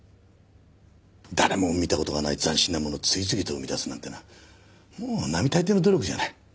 誰も見た事がない斬新なものを次々と生み出すなんてのはもう並大抵の努力じゃない。